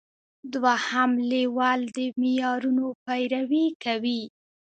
دوهم لیول د معیارونو پیروي کوي.